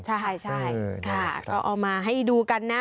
ใช่ค่ะก็เอามาให้ดูกันนะ